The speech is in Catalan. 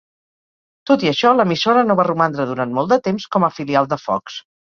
Tot i això, l'emissora no va romandre durant molt de temps com a filial de Fox.